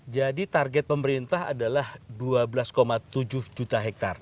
target pemerintah adalah dua belas tujuh juta hektare